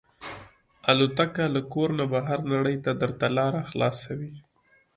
الوتکه له کور نه بهر نړۍ ته درته لاره خلاصوي.